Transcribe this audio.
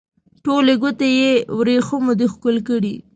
ټولې ګوتې یې وریښمو دي ښکل کړي